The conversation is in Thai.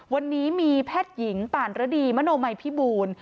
วันนี้มีแพทย์หญิงป่านรดีมโนมัยพิบูล